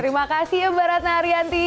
terima kasih mbak ratna arianti